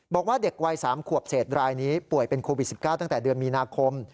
บอกว่าเด็กวัย๓ขวบเศษรายนี้ป่วยเป็นโควิด๑๙ตั้งแต่เดือนมีนาคม